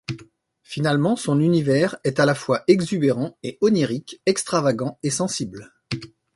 Finalement, son univers est à la fois exubérant et onirique, extravagant et sensible.